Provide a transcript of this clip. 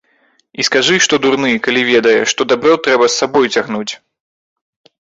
І скажы, што дурны, калі ведае, што дабро трэба з сабою цягнуць.